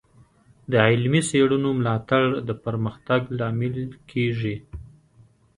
د علمي څیړنو ملاتړ د پرمختګ لامل کیږي.